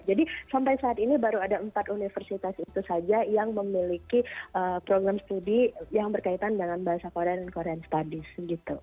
jadi sampai saat ini baru ada empat universitas itu saja yang memiliki program studi yang berkaitan dengan bahasa korea dan korean studies gitu